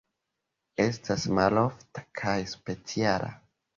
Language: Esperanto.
Estas malofta kaj speciala.